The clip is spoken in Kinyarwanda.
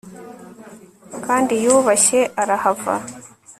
Kandi yubashye arahava